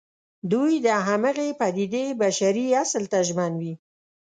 دوی د همغې پدېدې بشري اصل ته ژمن وي.